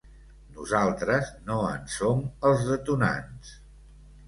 Nosaltres no en som els detonants.